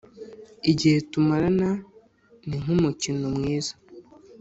igihe tumarana ni nk’umukino mwiza